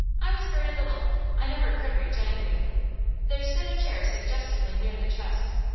I was very little I never could reach anything. There stood a chair suggestively near the chest.